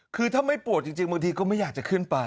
คือถ้าไม่ปวดจริงบางทีก็ไม่อยากจะขึ้นไป